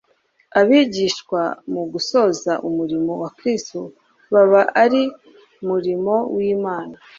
Abigishwa mu gusohoza umurimo wa Kristo bari mu murimo w'Imana